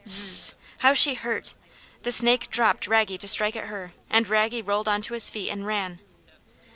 Zzz! How she hurt! The snake dropped Raggy to strike at her, and Raggy rolled on to his feet and ran.